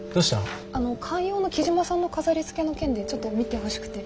観葉の木島さんの飾りつけの件でちょっと見てほしくて。